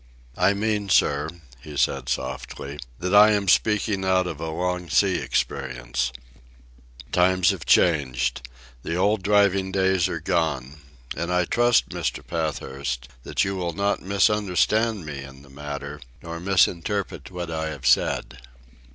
"I mean, sir," he said softly, "that I am speaking out of a long sea experience. Times have changed. The old driving days are gone. And I trust, Mr. Pathurst, that you will not misunderstand me in the matter, nor misinterpret what I have said."